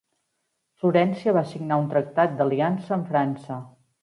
Florència va signar un tractat d'aliança amb França.